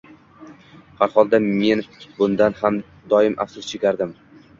Har holda, men bundan har doim afsus chekardim